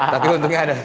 tapi untungnya ada